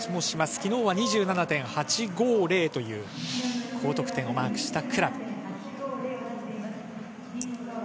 昨日は２７．８５０という高得点をマークしたクラブ。